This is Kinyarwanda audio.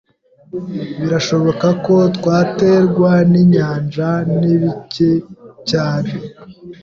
Birashoboka ko twaterwa ninyanja ni bike cyane.